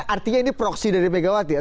artinya ini proksi dari pgwt